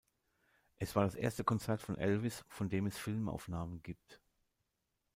Es war das erste Konzert von Elvis, von dem es Filmaufnahmen gibt.